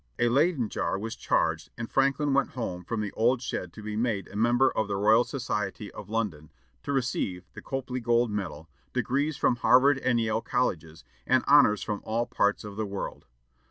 A Leyden jar was charged, and Franklin went home from the old shed to be made a member of the Royal Society of London, to receive the Copley gold medal, degrees from Harvard and Yale Colleges, and honors from all parts of the world.